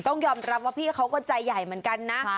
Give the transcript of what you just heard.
ต้องยอมรับว่าพี่เขาก็ใจใหญ่เหมือนกันนะ